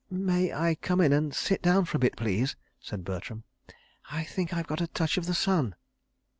"May I come in and sit down for a bit, please?" said Bertram. "I think I've got a touch of the sun."